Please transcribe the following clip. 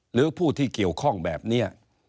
หรือผู้ที่เกี่ยวข้องแบบนี้